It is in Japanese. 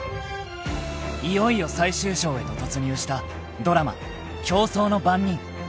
［いよいよ最終章へと突入したドラマ『競争の番人』］